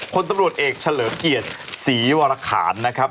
คนตำรวจเอกเฉลิมเกียรติศรีวรคารนะครับ